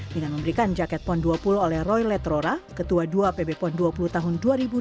dengan memberikan jaket pon dua puluh oleh roy letrora ketua dua pb pon dua puluh tahun dua ribu dua puluh